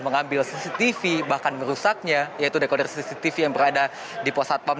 mengambil cctv bahkan merusaknya yaitu dekoder cctv yang berada di pos satpam